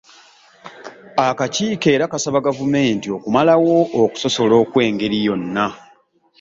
Akakiiko era kasaba Gavumenti okumalawo okusosola okw’engeri yonna.